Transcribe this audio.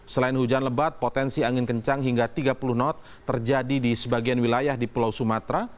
selain hujan lebat potensi angin kencang hingga tiga puluh knot terjadi di sebagian wilayah di pulau sumatera